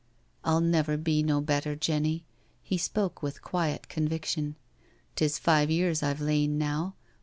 " 111 never be no better, Jenny." He spoke with quiet conviction. " Tis five years I've lain now.